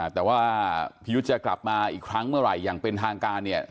แต่ว่าพี่ยุทธ์จะกลับมาอีกครั้งเมื่อไหร่อย่างเป็นทางการเนี่ย